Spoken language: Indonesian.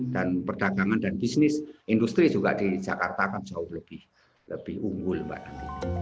dan perdagangan dan bisnis industri juga di jakarta akan jauh lebih unggul mbak